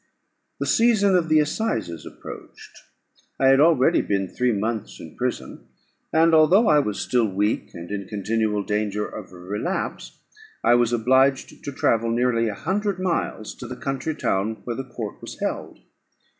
The season of the assizes approached. I had already been three months in prison; and although I was still weak, and in continual danger of a relapse, I was obliged to travel nearly a hundred miles to the county town, where the court was held.